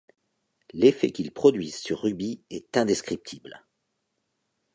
L’effet qu’ils produisent sur Ruby est indescriptible.